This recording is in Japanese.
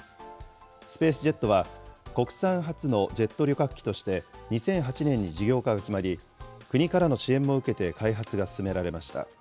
スペースジェットは国産初のジェット旅客機として、２００８年に事業化が決まり、国からの支援も受けて開発が進められました。